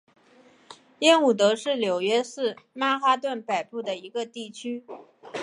英伍德是纽约市曼哈顿北部的一个地区。